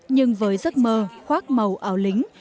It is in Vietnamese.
nhưng với giấc mơ khoác màu áo lính